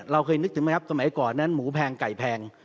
เราเคยนึกถึงไหมครับสมัยก่อนนั้นหมูแพงไก่แพง